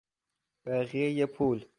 بقیهی پول